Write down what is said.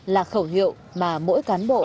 là khẩu hiệu mà mỗi cán bộ